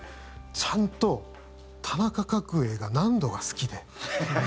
ちゃんと田中角栄が何度が好きで。